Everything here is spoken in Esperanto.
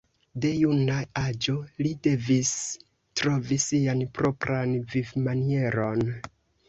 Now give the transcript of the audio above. De juna aĝo li devis trovi sian propran vivmanieron.